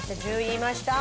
いいました！